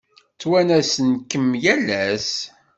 Ttwanasen-kem yal ass.